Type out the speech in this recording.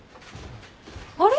あれ？